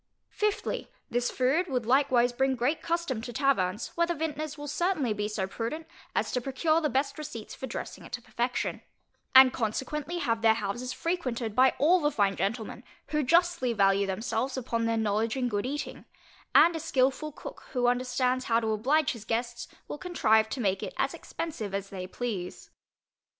Fifthly, This food would likewise bring great custom to taverns, where the vintners will certainly be so prudent as to procure the best receipts for dressing it to perfection; and consequently have their houses frequented by all the fine gentlemen, who justly value themselves upon their knowledge in good eating; and a skilful cook, who understands how to oblige his guests, will contrive to make it as expensive as they please.